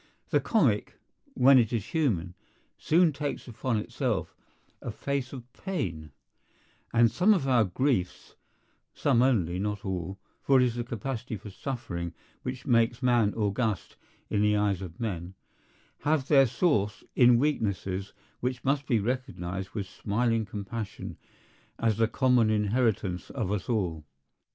The comic, when it is human, soon takes upon itself a face of pain; and some of our griefs (some only, not all, for it is the capacity for suffering which makes man august in the eyes of men) have their source in weaknesses which must be recognized with smiling compassion as the common inheritance of us all.